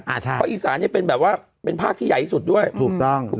อ่าใช่เพราะอิสานเป็นแบบว่าเป็นภาคที่ใหญ่สุดด้วยถูกต้อง